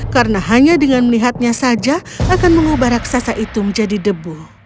karena hanya dengan melihatnya saja akan mengubah raksasa itu menjadi debu